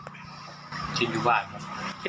กินอยู่บ้านครับ